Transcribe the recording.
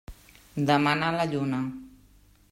Demanar la lluna.